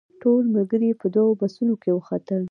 ټول ملګري په دوو بسونو کې وختل.